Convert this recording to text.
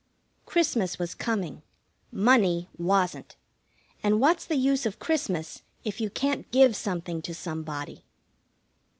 Christmas was coming. Money wasn't. And what's the use of Christmas if you can't give something to somebody?